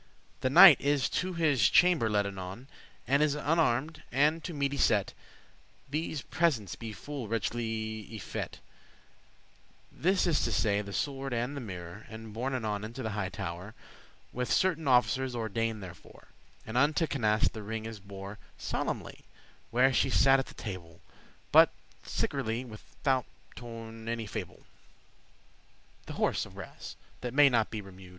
The knight is to his chamber led anon, And is unarmed, and to meat y set.* *seated These presents be full richely y fet,* — *fetched This is to say, the sword and the mirrour, — And borne anon into the highe tow'r, With certain officers ordain'd therefor; And unto Canace the ring is bore Solemnely, where she sat at the table; But sickerly, withouten any fable, The horse of brass, that may not be remued.